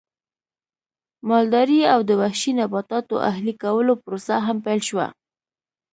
مالدارۍ او د وحشي نباتاتو اهلي کولو پروسه هم پیل شوه